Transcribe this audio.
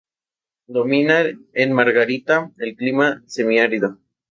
Domina en Margarita el clima semiárido.